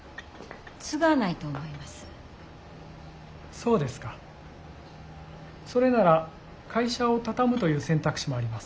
・そうですかそれなら会社を畳むという選択肢もあります。